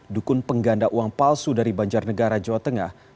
dukun pengganda uang palsu dari banjarnegara jawa tengah